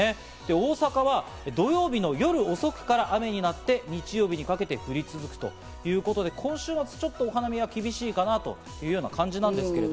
大阪は土曜日の夜遅くから雨になって、日曜日にかけて降り続くということで、今週末ちょっとお花見は厳しいかなという感じですけど。